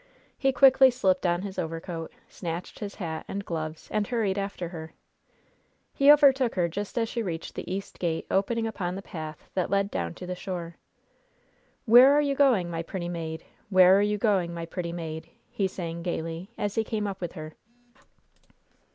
He quickly slipped on his overcoat, snatched his hat and gloves, and hurried after her. He overtook her just as she reached the east gate opening upon the path that led down to the shore. "'Where are you going, my pretty maid? Where are you going, my pretty maid?'" he sang, gayly, as he came up with her.